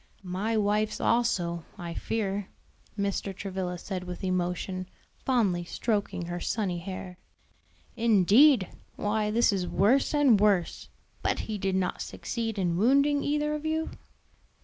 "My wife's also, I fear," Mr. Travilla said with emotion, fondly stroking her sunny hair. "Indeed! why this is worse and worse! But he did not succeed in wounding either of you?"